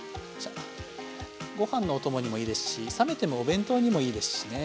ご飯のお供にもいいですし冷めてもお弁当にもいいですしね。